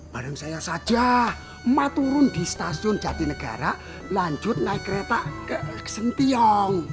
bareng saya saja emak turun di stasiun jatinegara lanjut naik kereta ke sentiong